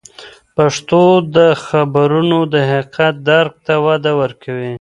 پښتو د خبرونو د حقیقت درک ته وده ورکوي.